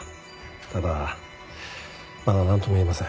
ただまだなんとも言えません。